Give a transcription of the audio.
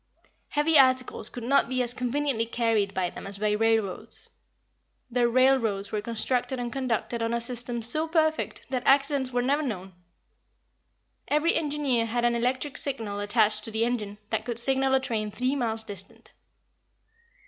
Heavy articles could not be as conveniently carried by them as by railroads. Their railroads were constructed and conducted on a system so perfect that accidents were never known. Every engineer had an electric signal attached to the engine, that could signal a train three miles distant.